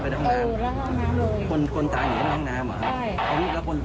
เขาแทงกันก่อน